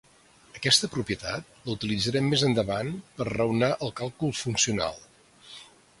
Aquesta propietat la utilitzarem més endavant per raonar el càlcul funcional.